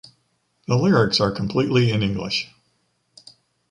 The lyrics are completely in English.